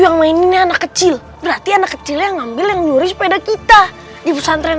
yang mainin anak kecil berarti anak kecilnya ngambil yang nyuri sepeda kita di pesantren